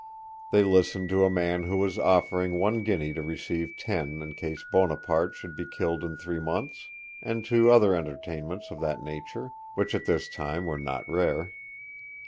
They listened to a man who was offering one guinea to receive ten in case Buonaparte should be killed in three months, and to other entertainments of that nature, which at this time were not rare.